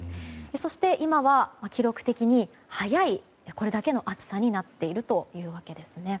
そして今は記録的に早いこれだけの暑さになっているというわけです。